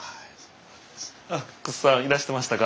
あっ楠さんいらしてましたか。